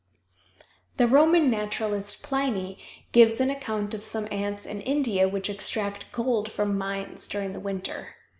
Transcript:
The Roman naturalist, Pliny, gives an account of some ants in India which extract gold from mines during the winter.